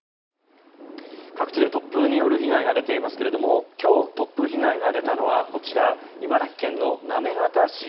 各地で突風による被害が出ていますが今日、突風被害が出たのはこちら、茨城県の行方市。